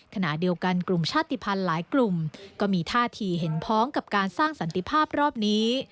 ขณะเดียวกันกลุ่มชาติภัณฑ์หลายกลุ่มก็มีท่าทีเห็นพ้องกับการสร้างสันติภาพรอบนี้